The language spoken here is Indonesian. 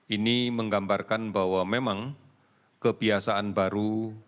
ini menggambarkan bahwa memang kebiasaan baru